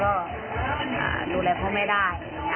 และดูแลเพราะไม่ได้